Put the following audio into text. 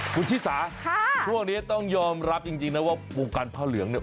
คุณชิสาช่วงนี้ต้องยอมรับจริงนะว่าวงการผ้าเหลืองเนี่ย